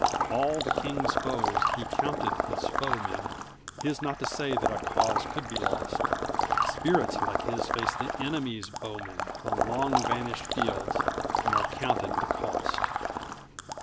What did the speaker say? All the king's foes he counted his foemen; His not to say that a cause could be lost; Spirits like his faced the enemies' bowmen On long vanished fields nor counted the cost.